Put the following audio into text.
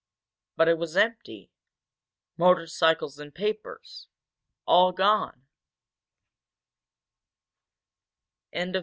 But it was empty; motorcycles and papers all were gone!